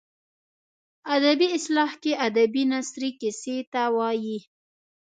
ادبي اصطلاح کې ادبي نثري کیسې ته وايي.